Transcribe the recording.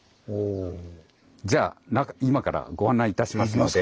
じゃあ今からご案内いたしますので。